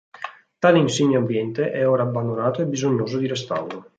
Tale insigne ambiente è ora abbandonato e bisognoso di restauro.